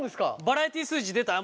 バラエティー数字出た？